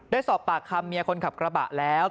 ได้สอบปากคำเมียคนขับกระบะแล้ว